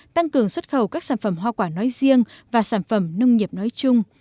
tăng cường xuất khẩu các sản phẩm hoa quả nói riêng và sản phẩm nông nghiệp nói chung